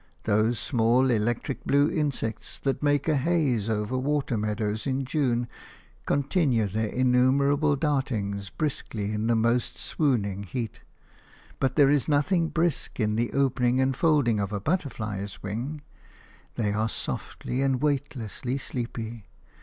Those small electric blue insects, that make a haze over water meadows in June, continue their innumerable dartings briskly in the most swooning heat; but there is nothing brisk in the opening and folding of a butterfly's wings; they are softly and weightlessly sleepy.